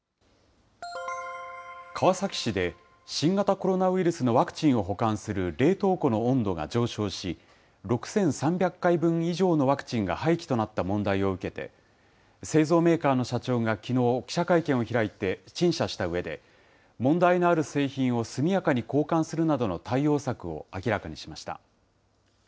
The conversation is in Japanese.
川崎市で、新型コロナウイルスのワクチンを保管する冷凍庫の温度が上昇し、６３００回分以上のワクチンが廃棄となった問題を受けて、製造メーカーの社長がきのう、記者会見を開いて陳謝したうえで、問題のある製品を速やかに交換するなどの対応策を明らかにしました。